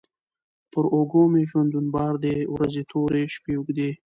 پر اوږو مي ژوندون بار دی ورځي توري، شپې اوږدې